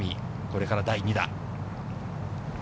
これから第２打。